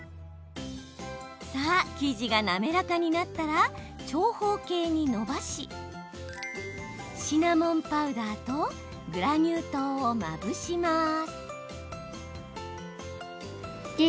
生地が滑らかになったら長方形にのばしシナモンパウダーとグラニュー糖をまぶします。